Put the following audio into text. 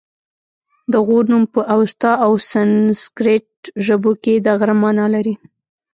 د غور نوم په اوستا او سنسګریت ژبو کې د غره مانا لري